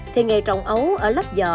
thì nghề trồng ấu ở lắp dò